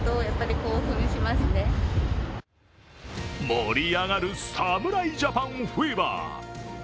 盛り上がる侍ジャパンフィーバー。